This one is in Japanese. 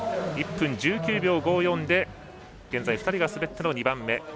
１分１９秒５４で現在２人が滑っての２番目。